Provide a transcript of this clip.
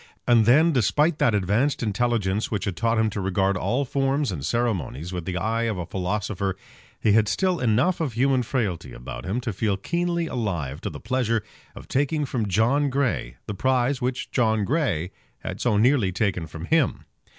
And then, despite that advanced intelligence which had taught him to regard all forms and ceremonies with the eye of a philosopher, he had still enough of human frailty about him to feel keenly alive to the pleasure of taking from John Grey the prize which John Grey had so nearly taken from him.